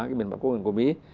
cái miền bắc quốc hình của mỹ